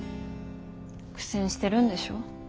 苦戦してるんでしょ。